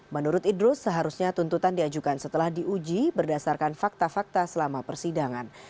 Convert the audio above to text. menurut idrus seharusnya tuntutan diajukan setelah diuji berdasarkan fakta fakta selama persidangan